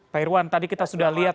pak irwan tadi kita sudah lihat